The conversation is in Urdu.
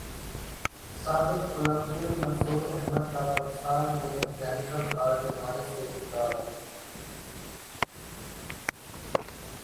سابق اولمپئن منصوراحمد کا پاکستان میں مکینیکل ہارٹ لگوانے سے انکار